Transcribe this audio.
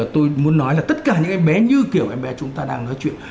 tôi muốn nói là tất cả những cái bé như kiểu em bé chúng ta đang nói chuyện